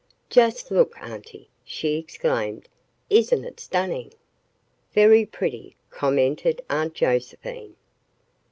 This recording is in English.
"Just look, Auntie," she exclaimed. "Isn't it stunning?" "Very pretty," commented Aunt Josephine.